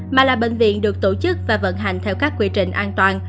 mà là bệnh viện được tổ chức và vận hành theo các quy trình an toàn